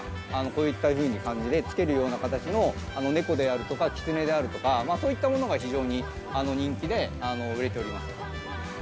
こういったふうな感じでつけるような形の猫であるとか、キツネであるとか、そういったものが非常に人気で、売れております。